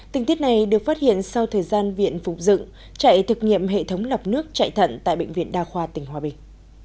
tình tiết này được phát hiện sau thời gian viện phục dựng chạy thực nghiệm hệ thống lọc nước chạy thận tại bệnh viện đa khoa tỉnh hòa bình